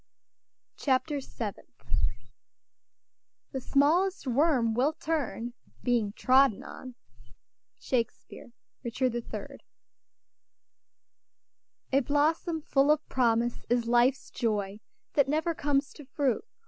CHAPTER SEVENTH "The smallest worm will turn, being trodden on." SHAKESPEARE, Richard III. "A blossom full of promise is life's joy, That never comes to fruit.